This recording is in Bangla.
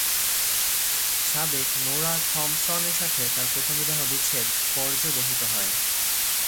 সাবেক নোরা থম্পসনের সাথে তার প্রথম বিবাহ বিচ্ছেদে পর্যবসিত হয়।